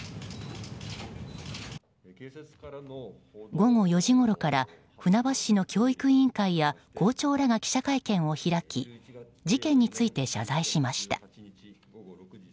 午後４時ごろから船橋市の教育委員会や校長らが記者会見を開き事件について謝罪しました。